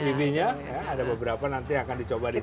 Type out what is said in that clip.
ev nya ada beberapa nanti akan dicoba di sini